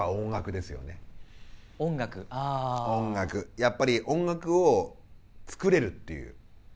やっぱり音楽を作れるっていう。